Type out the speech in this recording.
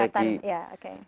pendekatan ya oke